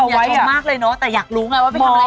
อยากกินมากเลยเนอะแต่อยากรู้ไงว่าไปทำอะไร